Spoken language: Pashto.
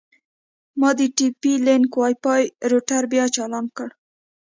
ما د ټي پي لینک وای فای روټر بیا چالان کړ.